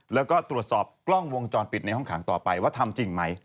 แล้วก็ตรวจสอบกล้องวงจรปิดในห้องขังต่อไปว่าทำจริงไหม